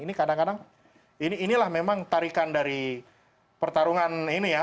ini kadang kadang inilah memang tarikan dari pertarungan ini ya